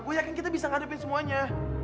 gue yakin kita bisa ngadepin semuanya